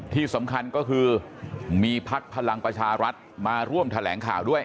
ที่สำคัญก็คือมีพักพลังประชารัฐมาร่วมแถลงข่าวด้วย